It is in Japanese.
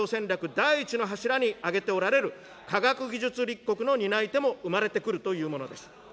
第１の柱に挙げておられる科学技術立国の担い手も生まれてくるというものです。